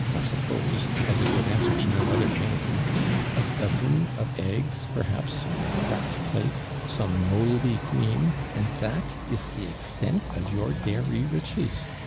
I suppose, as it would answer to no other name ; a dozen of eggs, perhaps, on a cracked plate; some mouldy cream, and that is the extent of your dairy riches.